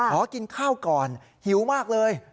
ขอกินข้าวก่อนหิวมากเลย